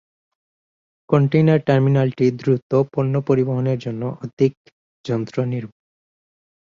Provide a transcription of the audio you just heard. Container টার্মিনালটি দ্রুত পণ্য পরিবহনের জন্য অধিক যন্ত্র নির্ভর।